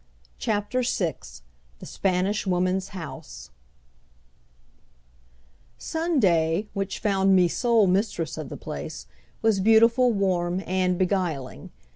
CHAPTER VI THE SPANISH WOMAN'S HOUSE Sunday, which found me sole mistress of the place, was beautiful, warm, and beguiling.